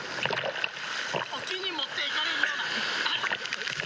沖に持っていかれるような。